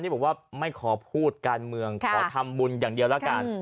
บอกว่าไม่ขอพูดการเมืองขอทำบุญอย่างเดียวละกัน